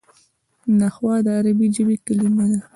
نحوه د عربي ژبي کلیمه ده.